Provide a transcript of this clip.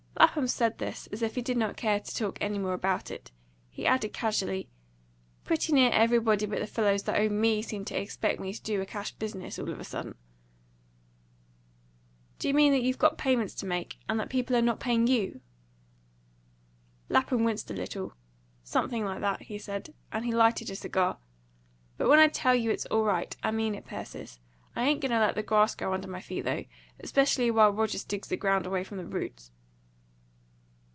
Lapham said this as if he did not care to talk any more about it. He added casually, "Pretty near everybody but the fellows that owe ME seem to expect me to do a cash business, all of a sudden." "Do you mean that you've got payments to make, and that people are not paying YOU?" Lapham winced a little. "Something like that," he said, and he lighted a cigar. "But when I tell you it's all right, I mean it, Persis. I ain't going to let the grass grow under my feet, though, especially while Rogers digs the ground away from the roots."